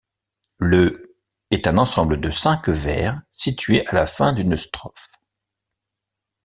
Le ' est un ensemble de cinq vers situés à la fin d'une strophe.